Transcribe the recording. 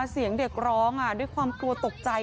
เสียงเด็กร้องด้วยความกลัวตกใจ